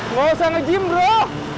nggak usah nge gym bro